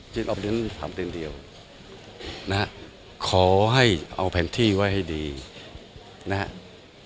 จิตอบเดิ้ลถามเต็มเดียวนะฮะขอให้เอาแผนที่ไว้ให้ดีนะฮะ